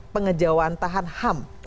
pengejauhan tahan ham